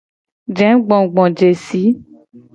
Jegbogbojesi.